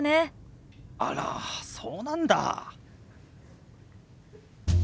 あらそうなんだ。